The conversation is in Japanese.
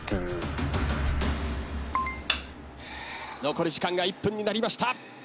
残り時間が１分になりました。